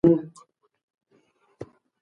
کبابي د یوې بجې خبرونو ته خپل غوږ نږدې کړ.